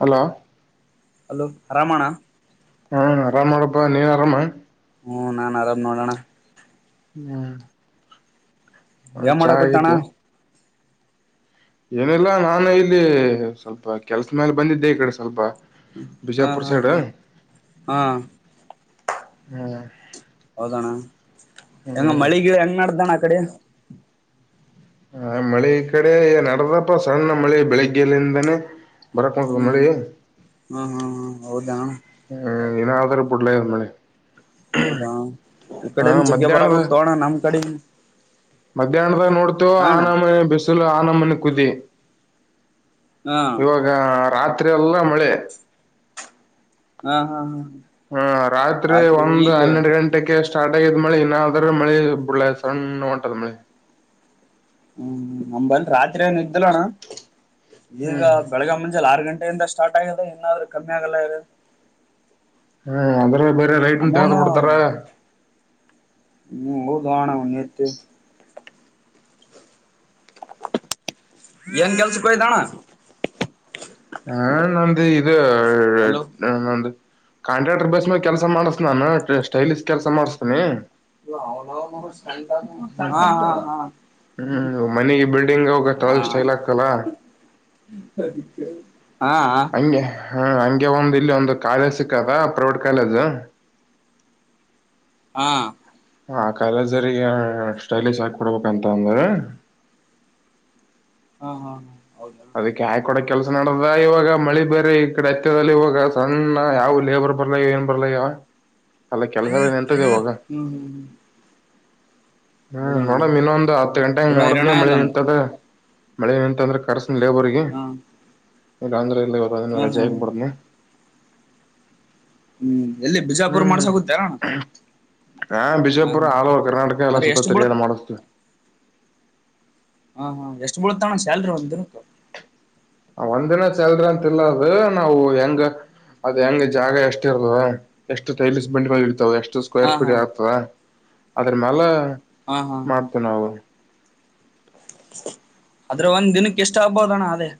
Hello hello ಆರಾಮಣ ಹಾ ಆರಾಮ್ ನೋಡಪ್ಪ ನೀನ್ ಆರಾಮ ಹ್ಞೂ ನಾನ್ ಆರಾಮ್ ನೋಡೋಣ ಹಾ ಯಾವ್ ಮಾಡಕ್ಕ್ತಣ ಏನಿಲ್ಲಾ ನಾನು ಇಲ್ಲಿ ಸ್ವಲ್ಪ ಕೆಲ್ಸ ಮೇಲೆ ಬಂದಿದ್ದೆ ಈ ಕಡೆ ಸ್ವಲ್ಪ ಹಾ ಬಿಜಾಪುರ್ ಹಾ ಸೈಡ್ ಹಾ ಹಾ ಹ್ಮ ಹೌದಣ್ಣ ಹೆಂಗ ಮಳಿಗ ಹೆಂಗ್ ನಡ್ದಣ್ಣ ಆ ಕಡೆ ಹ ಮಳೆ ಈ ಕಡೆ ಏನ್ ನಡದಪ್ಪ ಸಣ್ಣ ಮಳೆ ಬೆಳಿಗ್ಗೆಯಲ್ಲಿದಾನೇ ಹ್ಮ್ ಬರಕುಂತಾದ ಮಳಿ ಹ ಹ್ಮ್ ಹ್ಮ್ ಹ್ಮ್ ಹೌದಾ ಏನಾದ್ರೂ ಬಿಡ್ಲದ ಮಳಿ ಹೌದಾ ಈ ಹ ಕಡೆನ್ ಜಗ್ಗೆ ಮಧ್ಯಾಹ್ನದ ಬರಕತ್ತಾದ ನಮ್ ಕಡೆ ಮಧ್ಯಾಹ್ನದಾಗ ನೋಡ್ತೇವ ಹಣ ಆನ ಮನೆ ಬಿಸಿಲು ಆನ ಮನೆ ಕುದಿ ಹಾ ಹಾ ಇವಾಗ ರಾತ್ರಿ ಎಲ್ಲ ಮಳೆ ಹಾ ಹಾ ಹಾ ಹ್ಮ ರಾತ್ರಿ ಒಂದು ಹನ್ನೆರಡು ಗಂಟೆಗೆಷ್ಟ ಸ್ಟಾರ್ಟ್ ಆಗಿದ್ ಮಳಿ ಇನ್ನ್ರೆ ಮಳಿ ಬುಡ್ಲ ಸಣ್ಣ ಹೊಂಟದ್ ಮಳಿ ಹ್ಮ್ ನಮಲ್ಲಿ ರಾತ್ರಿ ಏನು ಇದ್ದಲಣ ಈಗ ಹ್ಮ್ ಬೆಳಗ ಮುಂಜಲ ಆರ್ ಗಂಟೆ ನಿನ್ನೆ ಇಂದ ಸ್ಟಾರ್ಟ್ ಆಗಿದೆ ಇನಾದ್ರೂ ಕಮ್ಮಿ ಆಗಲ್ಲ ಆಗದ ಹ್ಮ ಅದ್ರ ಬೇರೆ ಲೈಟ್ನ್ ಅಮನ ತೆಗದ್ ಬಿಡ್ತಾರ ಹ್ಮ ಹೂಣನ್ನೇತ್ತು ಏನ್ ಕೆಲಸಕ್ಕೆ ಹೋಗಿದ್ದು ಅಣ್ಣ ಹಾ ನಮ್ದು ಇದು ಹಲೋ ನಮ್ದ ಕಾಂಟ್ರಾಕ್ಟರ್ ಬೇಸ್ ಮೇ ಕೆಲ್ಸ ಮಾಡಿಸಸ ನಾನು ಸ್ಟೈಲಿಶ್ ಕೆಲ್ಸ ಮಾಡಸ್ತನಿ ಹ ಹ್ಮ್ ಹಹ ಹ್ಮ್ ಮನೆಗೆ ಬಿಲ್ಡಿಂಗ್ ಅವು ಸ್ಟೈಲ್ ಆಗ್ತಲ್ಲ ಹಾಹಾ ಹ್ಮ ಹಂಗೆ ಒಂದ್ ಇಲ್ಲಿ ಒಂದು ಕಾಲೇಜ್ ಸಿಕ್ಕದ ಪ್ರೈವೇಟ್ ಕಾಲೇಜ್ ಹಾ ಆ ಕಾಲೇಜ್ರ ಸ್ಟಲಿಶ್ ಆಾಕ ಕೊಡ್ಬೇಕಂತ ಅಂದ್ರ ಹಾ ಹಾ ಹಾ ಅದಕ್ಕೆ ಹಾಕಿ ಕೂಡ ಕೆಲಸ ನಡೆದ ಇವಾಗ ಮಳೆ ಬೇರೆ ಈ ಕಡೆ ಹತ್ಯದಲ್ಲಿ ಇವಾಗ ಸಣ್ಣ ಯಾವ ಲೇಬರ್ ಬರ್ಲ್ಲ ಏನ್ ಬರ್ಲ ಅಲ್ಲ ಕೆಲಸಗಳ ನಿಂತದೆವಾಗ ಹ್ಮ್ ಹ್ಮ್ ಹೌದಣ ನೋಡಮ್ ಇನ್ನೊಂದ್ ಹತ್ತು ಗಂಟೆ ಪೂರ ಹಂಗ್ ಹೈರಾಣ ನೋಡದ್ನಿ ಅದ ಮಳೆ ಅಂದ್ರ ನಿಂತದ ಮಳೆ ನಿಂತಂದ್ರೆ ಕರ್ಸ ಲೇಬರ್ಗೆ ಹಾ ಇಲ್ಲ ಅಂದ್ರ ಇಲ್ಲ ಹಾ ರಜೆ ಹಾ ಹಾಕಿ ಬಿಡ್ತೀನಿ ಹ್ಮ್ ಎಲ್ಲಿ ಬಿಜಾಪುರ್ ಹ್ಮ್ ಮಾಡ್ಸ ಕುಂತೇನಣ್ಣ ಹಾ ಬಿಜಾಪುರ ಆಲ್ಅವರ್ ಕರ್ನಾಟಕ ಎಲ್ಲಾ ಅಂದ್ರೆ ಸುತ್ತ ಎಷ್ಟು ಬೀಳ್ ತಿರ್ಗಾಡಿ ಮಾಡಿಸ್ತಿನಿ ಹಾ ಹಾ ಎಷ್ಟು ಬುಳುತ್ತ ಅಣ್ಣ ಸ್ಯಾಲರಿ ಒಂದು ದಿನಕ್ಕ ಒಂದಿನ ಸ್ಯಾಲರಿ ಅಂತಲ್ಲ ಅದು ನಾವು ಹೆಂಗ ಅದ್ ಹೆಂಗ ಜಾಗ ಎಷ್ಟ ಇರ್ತದ ಎಷ್ಟು ಟೖಲಿಸ್ ಬಂಡಿಗಳ ಇರ್ತದೆ ಎಷ್ಟು ಹಾ ಸ್ಕ್ವೇರ್ ಹಾ ಫೀಟ್ ಆಗ್ತದ ಅದ್ರ ಮೇಾಲ ಹಾ ಹಾ ಮಾಡ್ತೇ ನಾವು ಆದದ್ರ ಒಂದ್ ದಿನಕ್ಕೆ ಎಷ್ಟ ಆಗ್ಬೋದಣ್ಣ ಅದೇ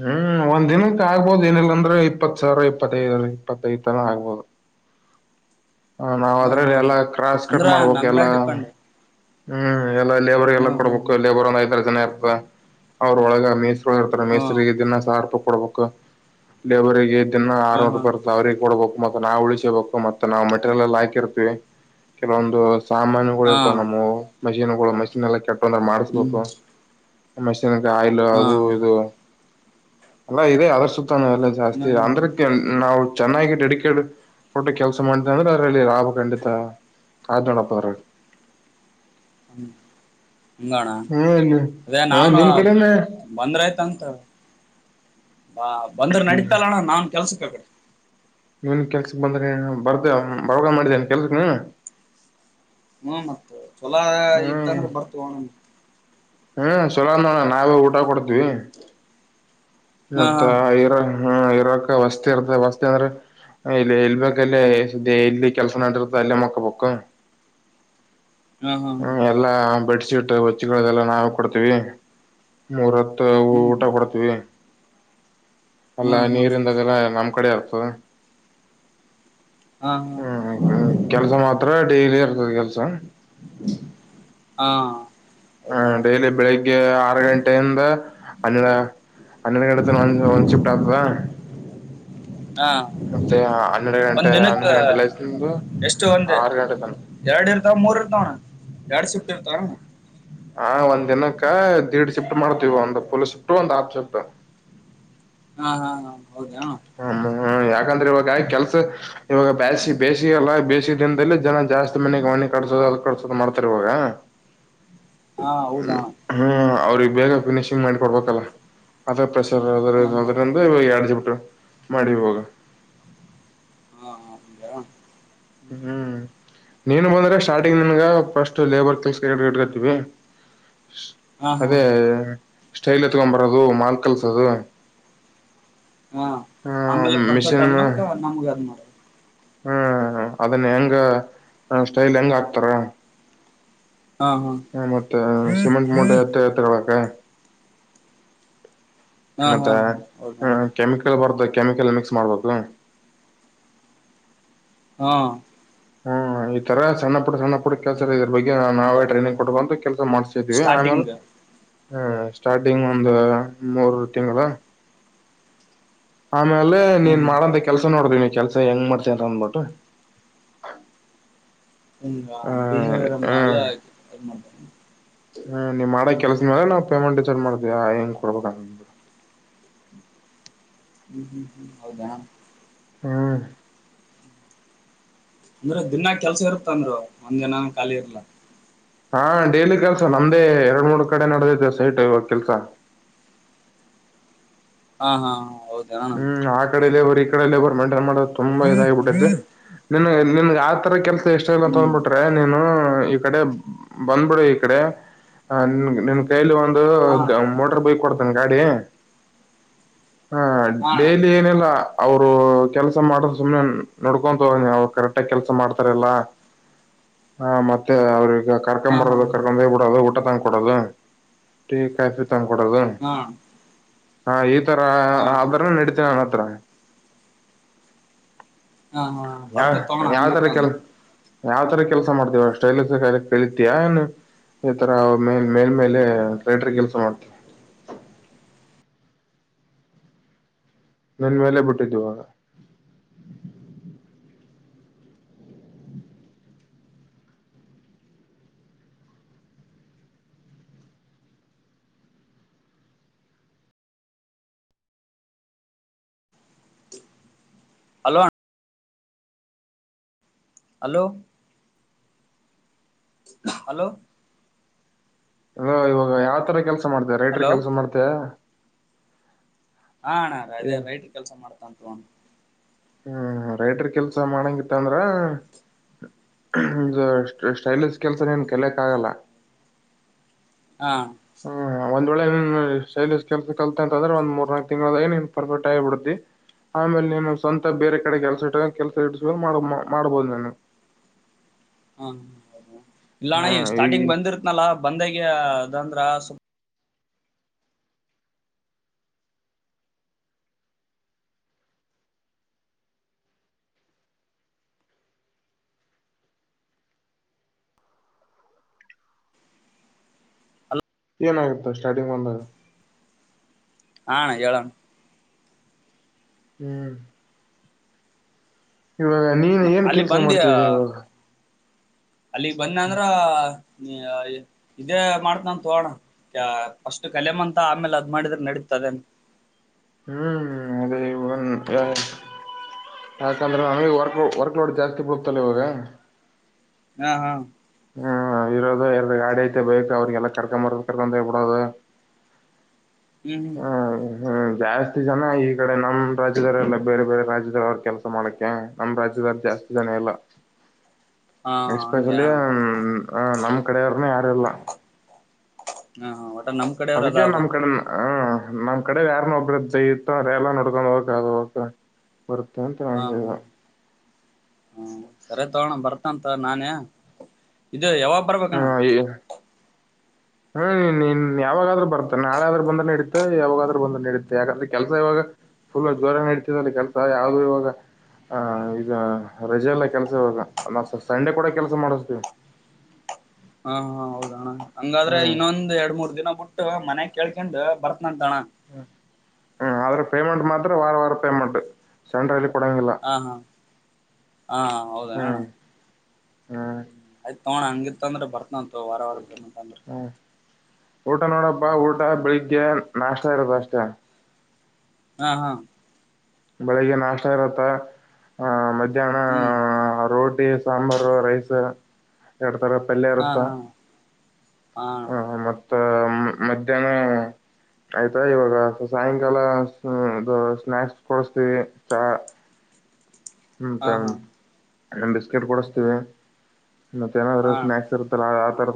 ಹ್ಮ್ ಒಂದ್ ದಿನಕ್ಕೆ ಆಗ್ಬೋದು ಏನಿಲ್ಲಾಂದ್ರೆ ಇಪ್ಪತ್ ಸಾವಿರ ಇಪ್ಪತ್ತದ ಇಪ್ಪತ್ತದ ತನ ಆಗ್ಬೋದು ಹ ನಾವ್ ಹಾ ಹಾ ಅದ್ರಲ್ಲಿ ಎಲ್ಲಾ ಕ್ರಾಸ್ ಕಟ್ ಅಂದ್ರ ಮಾಡ್ಬೇಕ ಎಲ್ಲಾ ನಮ್ಮೇಲ್ ಡಿಪೆಂಡ್ ಹ್ಮ್ ಎಲ್ಲಾ ಲೇಬರ್ಗೆಲ್ಲಾ ಹಾ ಹಾ ಕೊಡ್ಬೇಕು ಲೇಬರ್ ಒಂದ ಐದರು ಜನ ಇರ್ತ ಅವ್ರ ಒಳಗ ಮೀಸ ರ್ತಾರೆ ಹಾ ಮೇಸರಿಗೆ ದಿನ ಸಹ ರೂಪ ಕೊಡಬೇಕು ಲೇಬರ್ರಿಗೆ ದನ್ನ ಹಾ ಆರುೂರುೂಪಾಯಿರ್ತ್ತ ಹಾ ಅವ್ರಿಗೆ ಕೊಡಬೇಕು ಮತ್ತೆ ನಾವವು ಉಳಿಸೇಬೇಕು ಮತ್ತ ನಾಮಟ್ಟೆ ಹಾಕಿ ಇರ್ತಿವಿ ಕೆಲವೊಂದು ಸಾಮಾನುಗಳು ಹಾ ಇರ್ತಾವ ನಮ್ಮವು ಮಷೀನ್ ಗಳು ಮಷಿನ್ ಎಲ್ಲ ಕೆ ತೊಂದ್ರ ಹ್ಮ್ ಮಾಡಿಸ್ಬೇಕು ಮೆಷನ್ ಆಯಿಲ್ ಹಾ ಅದು ಇದು ಅಲ್ಲಾ ಇದೆ ಅದ್ರ ಸುತ್ತನ ಎಲ್ಲ ಜಾಸ್ತಿ ಹ್ಮ್ ಅಂದ್ರಕ್ಕೆ ನಾವು ಚೆನ್ನಾಗಿ ಡೆಡಿಕೇಟ್ಡ್ ಕೊಟ್ಟ ಕೆಲಸ ಮಾಡ್ ನದಾರಲ್ಲಿ ರಾಬ ಕಂಡಿತಾ ಕಜಣ್ಣಪ್ಪಾರ ಹ್ಮ ಹಂಗೋಣ ಹ್ಮ ಅದೇ ಹ ನಾವನು ನಿಮ್ ಕಡೆನೆ ಬಂದ್ರಾಯ್ತ ಅಂತ ಬಾ ಬಂದ್ರ ನಡೀತಲ್ಲಣ್ಣ ನಾನ್ ಕೆಲ್ಸಕ್ ಆಗಡೆ ಇವನ್ ಕೆಲ್ಸಕ್ ಬಂದ್ರೆ ಬರ್ದ ಬರಗ ಮಾಡಿದ್ದೇನ್ ಕೆಲ್ಸಕ್ ನೀನು ಹ್ಮ ಮತ್ತೆ ಚಛೊಲೋ ಹ್ಮ್ ಇತ್ತಂದ್ರೆ ಬರ್ತ ಹಣನ್ ಹ್ಮ್ ಚಲೋಳ ನಾವೇ ಊಟ ಕೊಡ್ತೀವಿ ಹಾ ಮತ್ತ ಇರ ಹ್ಮ್ ಇರಕ್ಕ ವಸ್ತಿ ಇರ್ತ ವಸ್ತಿ ಅಂದ್ರೆ ಇಲ್ಲ ಇಲ್ಬೇಕಲ್ಲೇ ಇಲ್ಲಿ ಕೆಲ್ಸ ಮಾಡಿರ್ತ ಅಲ್ಲೇ ಮಕ್ಕ ಪಕ್ಕ [unintelligible] ಹಾ ಹಾ ಹ್ಮ ಎಲ್ಲಾ ಬೆಡ್ ಶೀಟ್ ವಚ್ಚಿಗಳದೆಲ್ಲ ನಾವವು ಕೊಡ್ತೀವಿ ಮೂರತ್ತು ಹ್ಮ್ ಊಟ ಕೊಡ್ತೀವಿ ಹಾ ಅಲ್ಲಾ ಹಾ ನೀರಿಂದಾಗೆಲ್ಲ ನಮ್ ಕಡೆ ಆರ್ತದೆ ಹಾ ಹ್ಮ್ ಕೆಲ್ಸ ಮಾತ್ರ ಡೈಲಿ ಇರ್ತದೆ ಕೆಲ್ಸ ಹಾ ಹೌದಾ ಹ ಡೈಲಿ ಬೆಳಿಗ್ಗೆ ಆರು ಗಂಟೆಯಿಂದ ಹ ಹನ್ನೆರಡು ಗಡೆ ಒ ಒಂದು ಶಿಫ್ಟ್ ಆಗ್ತದಾ ಹ ಮತ್ತೆ ಹನ್ನೆರಡು ಗಂಟೆ ಹನ್ನೆರಡು ಗಂಟೆಲ್ಲ ನಿದು ಆರು ಗಂಟೆ ತನ ಎರಡು ಇರ್ತಾವ ಮೂರ್ ಇರ್ತಾವಣ ಎರಡ್ ಶಿಫ್ಟ್ ಇರ್ತ ಹಾ ಒಂದ್ ದಿನಕ್ಕೆ ದೀಡ್ ಶಿಫ್ಟ್ ಮಾಡ್ತೀವಿ ಒಂದ್ ಪಫುಲ್ ಶಿಫ್ಟ್ ಒಂದ್ ಆಫ ಶಿಫ್ಟ್ ಹಾ ಹಾ ಹಾ ಹೌದೆಯ ಹ್ಮ ಯಾಕಂದ್ರೆ ಇವಾಗ ಕೆಲ್ಸ ಇವಾಗ ಬೇ ಬೇಸಿಗೆಲ್ಲ ಬೇಸ ದಿನದಲ್ಲಿ ಜನ ಜಾಸ್ತಿ ಮನೆಗೆ ಕಸೋದು ಅದ್ ಕಡಸೋದು ಮಾಡ್ತರ್ ಇರುವಾಗ ಹಾ ಹೌದಾ ಅವ್ರಿಗೆ ಬೇಗ ಫಿನಿಶಿಂಗ್ ಮಾಡಿ ಕೊಡ್ಬೇಕಲ್ಲ ಅದ ಪ್ರೆಷರ್ ಅದ ಹಾ ಹಾ ಅದ್ರಲ್ಲಿ ಎಡ್ಗೆ ಬಿಟ್ಟು ಮಾಡಿ ಹೋಗಿ [unintelligible] ಹ್ಮ್ ನೀನು ಬಂದ್ರೆ ಸ್ಟಾರ್ಟಿಂಗ್ ನಿನ್ಗ ಫ್ರಿಸ್ಟ್ ಲೇಬರ್ ಕೆಲಸಡ್ಕತವಿ ಹಾ ಹಾ ಅದೇ ಸ್ಟೈಲ್ ಎತ್ಕೊಬರದು ಮಾಲ್ ಕಲ್ಸದು ಹಾ ಆಮೇಲೆ ಪರ್ಫೆಕ್ಟ್ ಅದ್ಮಕ ನಮ್ಗ ಅದ್ ಮಾಡ ಹ್ಮ್ ಅದನ್ನ ಹೆಂಗ ಸ್ಟೈಲ್ ಹೆಂಗ ಆಕ್ತಾರ ಹಾ ಹಾ ಹ ಮತ್ತೆ ಸಿಮೆಂಟ್ ಮೂಟೆ ಎತ್ತ ಎತ್ತಬೇಕು ಹಾ ಹಾ ಮತ್ತೆ ಹೌದಾ ಹ ಕೆಮಿಕಲ್ ಬರ್ದ ಕೆಮಿಕಲ್ ಮಿಕ್ಸ್ ಮಾಡ್ಬೇಕು ಹಾ ಹ್ಮ್ ಈತರ ಸಣ್ಣ ಪುಟ್ಟ ಸಣ್ಣ ಪುಟ್ಟ ಕೆಲಸರ ಇದ್ರ ಬಗ್ಗೆ ಎಂತ ನಾವೇ ಟ್ರೈನಿಂಗ್ ಕೊಡ್ಕಂತು ಕೆಲಸ ಮಾಡ್ಸ್ತಿದೀವಿ ಆಮೇಲೆ ಸ್ಟಾರ್ಟಿಂಗ್ ಹ್ಮ ಸ್ಟಾರ್ಟಿಂಗ್ ಒಂದು ಮೂರು ತಿಂಗಳ ಆಮೇಲೆ ಹ್ಮ ನೀನ್ ಮಾಡಂತ ಕೆಲ್ಸ ನೋಡ್ರಿನಿ ಕೆಲ್ಸ ಹೆಂಗ್ ಮಾಡ್ತ ಅಂತ ಅಂದ್ಬಿಟ್ಟು ನಿನ್ನ ಹ ಬೆಹವಿರ್ ಮೇಲೆ ಇದು ಮಾಡ್ತಾರೆ ಹ ನೀವ್ ಮಾಡ ಹ್ಮ್ ಕೆಲ್ಸ ಮೇಲೆ ನಾವು ಪೇಮೆಂಟ್ ಚಾರ್ಜ್ ಮಾಡ್ತೀಯ ಹೆಂಗ್ ಕೊಡ್ಬೇಕ ಹ್ಮ್ ಹ್ಮ್ ಹ್ಮ್ ಹೌದಾ ಹೂನ್ ಅಂದ್ರೆ ದಿನಾ ಕೆಲ್ಸ ಇರುತ್ತಂದರು ಒಂದ್ ದಿನಾನು ಖಾಲಿ ಇರ್ಲ ಹಾ ಡೇಲಿ ಕೆಲ್ಸ ನಮ್ದೇ ಎರಡ್ ಮೂರ್ ಕಡೆ ನಡೆದಿದೆ ಸೈಟ್ ಇವಾಗ ಕೆಲ್ಸ [inaudible] ಹಾ ಹಾ ಹೌದಾ ಹ್ಮ್ ಆ ಕಡೆ ಲೇಬರ್ ಈ ಕಡೆ ಲೇಬರ್ ಮೈಂಟೈನ್ ಮಾಡ ತುಂಬಾ ಇದಾಗಿಬಿಟ್ಟೆನ್ನ ನಿಮಗೆ ಆ ತರ ಕೆಲ್ಸ ಎಷ್ಟ ಇಲ್ಲ ಹ್ಮ್ ತೊಂದ್ಬಿಟ್ರೆ ನೀನು ಈ ಕಡೆ ಬಂದ್ಬಿಡು ಈ ಕಡೆ ನಿನ್ ಕೈಲಿ ಒಂದು ಹಾ ಮೋಟರ್ ಬೈಕ್ ಕೊಡ್ತ ಗಾಡಿ ಹ ಹಾ ಅಣ್ಣ ಡೈಲಿ ಏನೆಲ್ಲ ಅವರು ಕೆಲ್ಸ ಮಾಡ್ರ ಸುಮ್ನೆ ನೋಡ್ಕೊಂತ ಹೋಗಿ ಅವರು ಕರೆಕ್ಟಗ ಕೆಲ್ಸ ಮಾಡ್ತಾರ ಎಲ್ಲ ಹಾ ಮತ್ತೆ ಅವ್ರ ಈಗ ಕರ್ಕೊಂಡ್ ಹಾ ಹಾ ಬರೋದು ಕರ್ಕೊಂಡ್ ಹೋಗ್ಬ ಬಿಡೋದು ಊಟ ತಂದ್ ಕೊಡೋದು ಟೀ ಕಾಫಿ ತಂದ್ ಕೊಡೋದು ಹ ಹ ಈತರ ಆದ ಅವನ ಹತ್ರ ಹಾ ಹಾ ಯಾವ ಬರ್ತೇತ್ ತಗೋಣ ಯಾವ ಹಂಗಿತ್ತ ತರ ಅಂದ ಕೆಲಸ ಯಾವ್ ತರ ಕೆಲಸ ಮಾಡ್ತೀಯಾ ಸ್ಟೈಲಿಶ್ ಕಲಿತಿಯಾ ಏನು ಈ ತರ ಮೇಲ್ ಮೇಲ್ ಮೇಲೆ ರಟ್ರೈಡರ್ ಕೆಲ್ಸ ಮಾಡ್ತೇವಿ [inaudible] ನನ್ ಮೇಲೆ ಬಿಟ್ಟಿದ್ದುುವಾಗ ಹಲೋ ಹಲೋ ಹಲೋ ಇವಾಗ ಯಾವ್ತರ ಕೆಲ್ಸ ಮಾಡ್ತೇ ರೈಟರ್ ಹಲೋ ಕೆಲ್ಸ ಮಾಡ್ತಯ ಅ ಅಣ್ಣ ಅದೇ ರೈಟ್ ಕೆಲ್ಸ ಮಾಡ್ತಾಂತ್ಣ ಹ್ಮ್ ರೈಡರ್ ಕೆಲ್ಸ ಮಾಡಂಗಿತ್ತ ಅಂದ್ರ ಈ ಸ್ಟೈಲಿಶ್ ಕೆಲಸ ನೀನು ಕಲಿಯೋಕೆ ಆಗಲ್ಲ ಹ ಹ್ಮ್ ಒಂದ್ ವೇಳೆ ಸೈಲಸ್ ಕೆಲ್ಸ ಕಲ್ತ ಅಂತಂದ್ರೆ ಒಂದ್ ಮೂರ್ನಾಲ್ಕಕ್ ತಿಂಗಳಲ್ಲೆ ನೀನು ಪರ್ಫೆಸ್ಟ್ ಆಗಿಬಿಡ್ತಿ ಆಮೇಲೆ ನೀನು ಸ್ವಂತ ಬೇರೆ ಕಡೆ ಕೆಲಸ ಇಟ್ಟ ಕೆಲ್ಸ ಇಸ ಮಾಡ ಮಾಡ್ಬೋದು ನ ನೀ. [unintelligible] ಹಾ ಇಲ್ಲಣ್ಣ ಈ ಸ್ಟಾರ್ಟಿಂಗ್ ಬಂದಿರ್ತ್ನಲ್ಲ ಬಂದಾಗ ಅದಂದ್ರ ಸ್ವಲ್. ಅಲ್ಲ ಏನಾಗುತ್ತೆ ಸ್ಟಾರ್ಟಿಂಗ್ ಬಂದಾಗ. ಹಾ ಅಣ್ಣ ಹೇಳು. ಹ್ಮ್. ಇವಾಗ ನೀನ್ ಏನ್ ಅಲ್ಲಿ ಕೆಲ್ಸ ಮಾಡ್ತಿದೆ ಇವಾಗ. ಅಲ್ಲಿಗ್ ಬಂದೆ ಅಂದ್ರ ಇದೇ ಮಾಡ್ತನನ್ ತೋಣ. ಅಷ್ಟು ಕಲೆಮಂತ ಆಮೇಲೆ ಅದ್ ಮಾಡಿದ್ರೆ ನಡತದೇನ್. ಹ್ಮ್ ಅದೇ ಇವಾಗ. ಯಾಕಂದ್ರೆ ನಮಗೆ ವಕ್ ವರ್ಕ್ಲೌಟ್ ಜಾಸ್ತಿ ಬಡತಲ್ಲ ಇವಾಗ. ಹಾ ಹಾ. ಹ್ಮ್ ಇರೋದು ಎರ ಗಾಡಿಐತೆ ಬಯತು ಅವ್ರಿಗೆ ಎಲ್ಲ ಕರ್ಕೊಂಬರದ ಕರ್ಕೊಂತ ಬಿಡೋದು. ಹ್ಮ್ ಹ್ಮ. ಹ್ಮ್ ಜಾಸ್ತಿ ಜನ ಈ ಕಡೆ ನಮ್ ರಾಜ್ಯದವೆಲ್ಲ ಬೇರೆ ಬೇರೆ ರಾಜ್ಯದದಲ್ಲಿ ಅವ್ರ ಕೆಲಸ ಮಾಡಕ್ಕೆ ನಮ್ಮ್ ರಾಜ್ಯದ. ಜಾಸ್ತಿ ಜನ ಇಲ್ಲ. ಹಾ ಹಾಂಗ್ಯಾ. ಹ್ಮ ಹ ನಮ್ಮ್ ಕಡೆಯವ್ರನ್ನ ಯಾರೆಲ್ಲ. ಹಾ ಹಾ. ನಮ್ ಕಡೆಯವ್ರ ಅದ ಅದಕೆ ನಮ್ಮ್ ಆಗ್ಬೇಕು ಕಡೆ ಹ. ನಮ್ಮ್ ಕಡೆ ಯಾರನೋ ಒಬ್ಬರಣ ಜೈುತ್ತ ರೇ ಎಲ್ಲ ನಡ್ಕೊಂಡ ಹೋಗ್. [unintelligible] [unintelligible] ಒತ್ತನ್ನು ತಳಂದ. ಹ್ಮ ಸರಿ ತಗೋಣ ಬರ್ತಂತ ನಾನೇ ಇದು ಯಾವಾಗ ಬರ್ಬೇಕಣ್ಣ. ಹ್ಮ್ನ್ ನಿನ್ ಯಾವಾಗಾದ್ರೂ ಬರ್ತೆ ನಾಳೆ ಆದರು ಬಂದ್ರೆ ನಡತೆ ಯಾವಾಗಾದ್ರೂ ಬಂದ್ರೆ ನಡೀತೆ. ಯಾಕಂದ್ರೆ ಕೆಲಸ ಇವಾಗ ಫುಲ್ ಜ್ವರ ಆಗಿ ನಡಿತ ಇದೆ ಕೆಲ್ಸ ಯಾವವುದೂ ಇವಾಗ. ಆ ಈಗ ರಜೆಲ್ಲ ಕೆಲ್ಸ ಇವಗ ನಸ ಸಂಡೆ ಕೂಡ ಕೆಲ್ಸ ಮಾಡಿಸತೀವಿ. ಹಾ ಹಾ ಹೌದಣ್ಣ ಹಂಗಾದ್ರೆ ಹ್ಮ್ ಇನ್ನೊಂದ ಎರಡ್ ಮೂರ್ ದಿನ ಬಿಟ್ಟ. ಮನೆಗ್ ಕೇಳ್ಕಂಡ್ ಬರ್ತನಂತಣ. ಹ ಹ್ಮ ಅವರಿಗೆ ಪೇಮೆಂಟ್ ಮಾತ್ರ ವಾರ ವಾರ ಪೇ ಮಾಡಬೇಕು ಸೆಂಟ್ರಲ್ಲಿ. ಹಾ ಹಾ ಹಾ ಹೌದ ಅಣ್ಣ. ಹೂ. ಹಾ ಅಣ್ಣ ಹಂಗಿತ್ತ ಅಂದ್ರ ಬರ್ತನಂತ ತಕೊ ವಾರ ವಾರ ಪೇಮೆಂಟ್ ಅಂದ್ರೆ. ಹ್ಮ್ ಊಟ ನೋಡಪ್ಪ ಊಟ ಬೆಳಿಗ್ಗೆ ನಾಷ್ಟ ಇರತ್ತ ಅಷ್ಟೇ. ಹಾ ಹಾ. ಬೆಳಿಗ್ಗೆ ನಾಷ್ಟ ಇರತ್ತ ಆಹ ಮಧ್ಯಾಹ್ನ ಹ್ಮ್ ರೋಟ್ [unintelligible] ಸಾಂಬಾರು ರೈಸ್ ಎರ. ತರ ಪಲ್ಯ ಹಾ ಇರುತ್ತ ಹಾ ಹಾ ಹ ಮತ್ತ ಮಧ್ಯಾಹ್ನ. ಆಯ್ತಾ ಇವಾಗ ಸಾಯಂಕಾಲ ಸ್ನಾಕ್ಸ್. ಕೊಡ್ಸ್ತೀವಿ ಚಾ. ಹಾ ಹಾ ಮತ್ತೆ ಬಿಸ್ಕಿಟ್ ಕೊಡಸ್ತೇವಿ. ಮತ್ತೆ ಏನಾದ್ರರು ಹಾ ಸ್ನಕ್ಸ್ ಇರ್ತ್ತಲ್ಲ.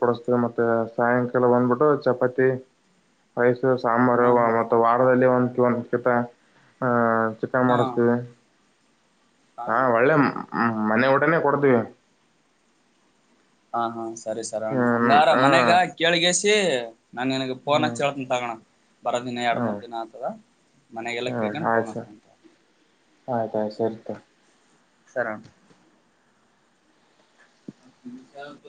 ಕೊಡತೇವಿ ಮತ್ತೆ ಸಾಯಂಕಾಲ ಬಂದ್ಬಿಟ್ಟು ಚಪಾತಿ ರೈಸ್. ಸಾಂಬಾರು ಹಾ ಹಾ ಮತ್ ವಾರದಲ್ಲಿ ಒಂದು ಒಂದ್ಕಿತ ಆಹ್. ಚಿಕನ್ ಹಾ ಮಾಡಿಸ್ತವಿ. ಹಾ ಒಳ್ಳೆ ಮನೆ ಊಟನೆೇ ಕೊಡ್ತೀವಿ. ಹಾ ಹಾ ಸರಿ ಸರ ಅಣ್ಣ ಹ್ಮ್ ಹಂಗಾರ ಹಾ ಮನ್ಗ ಕೇಳ್ಗಸಿ. ನನ್ ನಿನಗೆ ಫೋನ್ ಹ್ಮ್ ಹಚ್ಚಿಹೇಳ್ತೆನ್ ತಕೊಣ್ಣ ಬರೋ ದಿನ ಎರಡು ಹ್ಮ್ ಮೂರು ದಿನ ಆತದ. ಮನೆಗೆ ಎಲ್ಲಾ ಕೇಳ್ಕೊಂಡು ಫೋನ್. [inaudible] ಆಯ್ತಾಯ್ತು ಸರಿತ ಸರಿ ಅಣ್ಣ. ಹ ವಿ ಸಾರ [unintelligible]